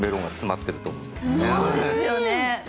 そうですよね